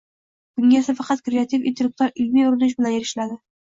Bunga esa faqat kreativ intellektual-ilmiy urinish bilan erishiladi.